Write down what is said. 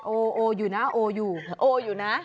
โอโออยู่นะโออยู่โออยู่นะ